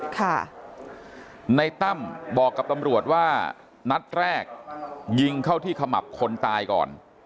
ค่ะในตั้มบอกกับตำรวจว่านัดแรกยิงเข้าที่ขมับคนตายก่อน